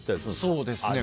そうですね。